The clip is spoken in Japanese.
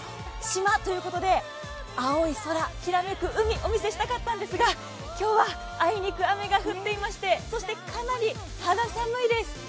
島ということで青い空、きらめく海をお見せしたかったんですが今日はあいにく雨が降っていまして、そしてかなり肌寒いです。